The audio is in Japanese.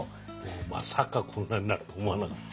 まさかこんなになるとは思わなかった。